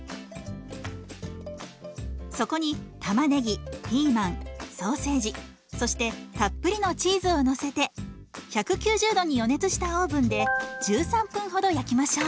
そこにたまねぎピーマンソーセージそしてたっぷりのチーズをのせて１９０度に予熱したオーブンで１３分ほど焼きましょう。